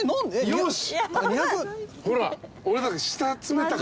よし。